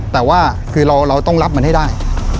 แต่ว่าคือเราต้องรับมันให้ได้